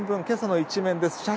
今朝の１面です。